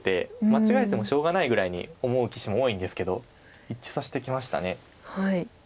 間違えてもしょうがないぐらいに思う棋士も多いんですけど一致させてきました。